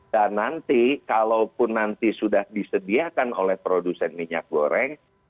dan nanti kalau pun nanti sudah disediakan oleh produsen minyak goreng